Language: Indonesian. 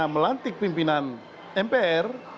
tugasnya melantik pimpinan mpr